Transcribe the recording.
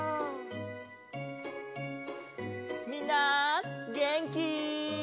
みんなげんき？